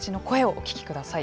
お聞きください。